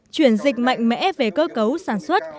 chuyển dịch mạnh mẽ về cơ cấu sản xuất